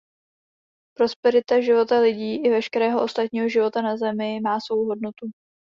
Prosperita života lidí i veškerého ostatního života na Zemi má svou hodnotu.